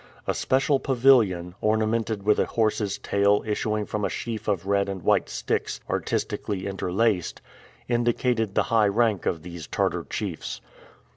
A special pavilion, ornamented with a horse's tail issuing from a sheaf of red and white sticks artistically interlaced, indicated the high rank of these Tartar chiefs.